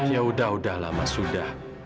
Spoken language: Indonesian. ya udah udahlah ma sudah